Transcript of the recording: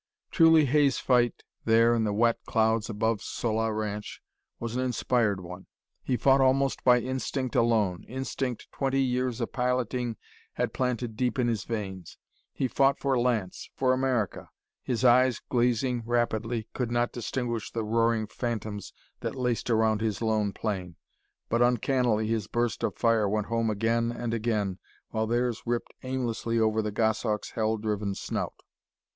Truly, Hay's fight there in the wet clouds above Sola Ranch was an inspired one. He fought almost by instinct alone, instinct twenty years of piloting had planted deep in his veins. He fought for Lance for America. His eyes, glazing rapidly, could not distinguish the roaring phantoms that laced around his lone plane, but uncannily his bursts of fire went home again and again, while theirs ripped aimlessly over the Goshawk's hell driven snout.